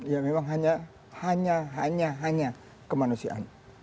ya memang hanya hanya hanya hanya kemanusiaan